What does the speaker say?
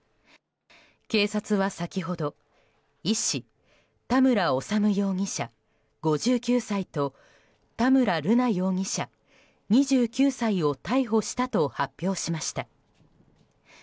警察は先ほど医師・田村修容疑者、５９歳と田村瑠奈容疑者、２９歳を逮捕したと発表しました。